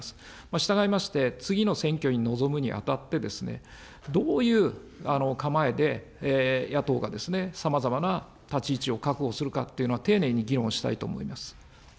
したがいまして、次の選挙に臨むにあたって、どういう構えで野党がさまざまな立ち位置を確保するかっていうのは、丁寧に議論したいと思います。